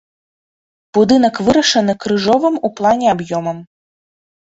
Будынак вырашаны крыжовым у плане аб'ёмам.